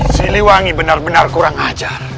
siliwangi benar benar kurang ajar